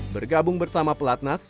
bergabung bersama pelatnas